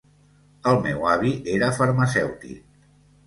El meu avi era farmacèutic.